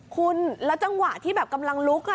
คุณแล้วจังหวะที่แบบกำลังลุก